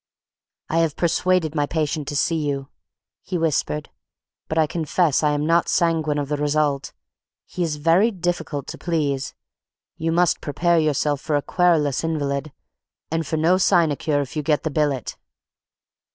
"I have persuaded my patient to see you," he whispered, "but I confess I am not sanguine of the result. He is very difficult to please. You must prepare yourself for a querulous invalid, and for no sinecure if you get the billet."